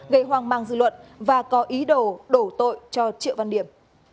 gây hoang mang dư luận và có ý đồ đổ tội cho triệu văn điểm